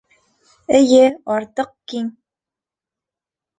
Эйе, артыҡ киң!